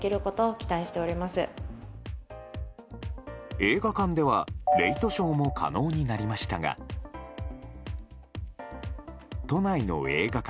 映画館ではレイトショーも可能になりましたが都内の映画館。